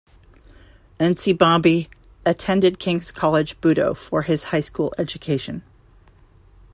Nsibambi attended King's College Budo for his high school education.